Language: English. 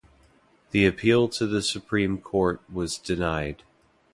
The appeal to the Supreme Court was denied.